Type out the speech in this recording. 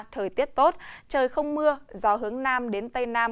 thời tiết tốt trời không mưa gió hướng nam đến tây nam